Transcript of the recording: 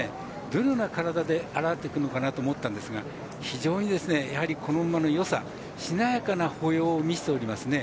どのような体で現れてくるのかなと思ったんですが、非常にですねこの馬のよさ、しなやかな歩様を見せておりますね。